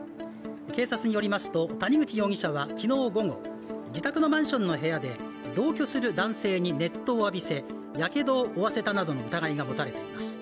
警察によりますと谷口容疑者は昨日午後、自宅のマンションの部屋で同居する男性に熱湯を浴びせ、やけどを負わせたなどの疑いが持たれています。